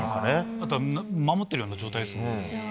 あとは守っているような状態ですもんね。